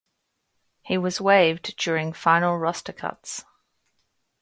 He was waived during final roster cuts.